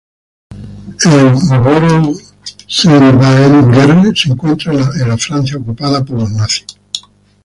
En ""Boro s’en va-t-en guerre"" se encuentra en la Francia ocupada por los nazis.